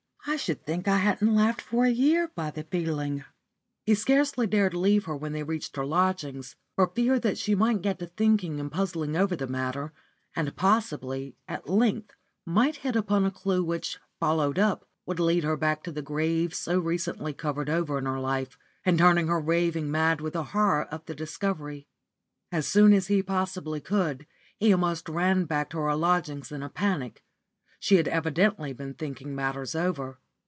I should think I hadn't laughed for a year by the feeling." He scarcely dared leave her when they reached her lodgings, for fear that she might get to thinking and puzzling over the matter, and, possibly, at length might hit upon a clue which, followed up, would lead her back to the grave so recently covered over in her life, and turn her raving mad with the horror of the discovery. As soon as he possibly could, he almost ran back to her lodgings in a panic. She had evidently been thinking matters over.